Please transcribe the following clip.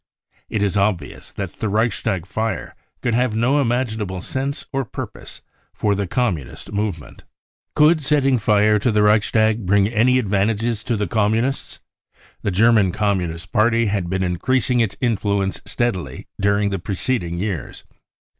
It is obvious that the Reichstag fire could have no imaginable sense or purpose for the Communist move ment." Gould setting fire to the Reichstag bring any advantages to the Communists ? The German Communist Party had ,[ been increasing its influence steadily during the preceding* years.